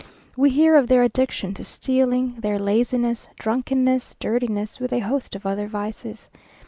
We hear of their addiction to stealing, their laziness, drunkenness, dirtiness, with a host of other vices.